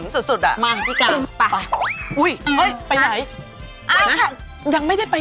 แห้งสุดอะมาพี่กังไปไป